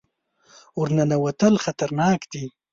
ور ننوتل خطرناک دي.